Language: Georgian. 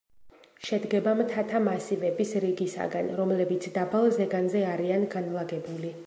შედგება მთათა მასივების რიგისაგან, რომლებიც დაბალ ზეგანზე არიან განლაგებული.